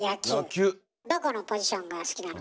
どこのポジションが好きなの？